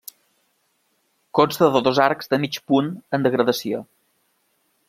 Consta de dos arcs de mig punt en degradació.